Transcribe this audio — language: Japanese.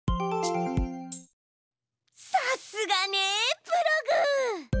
さすがねプログ！